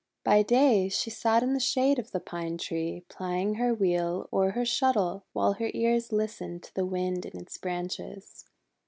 By day she sat in the shade of the Pine Tree plying her wheel or her shuttle, while her ears listened to the Wind in its branches.